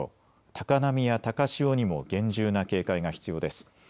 高波や高潮にも厳重な警戒が必要です。